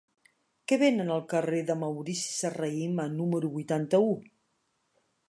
Què venen al carrer de Maurici Serrahima número vuitanta-u?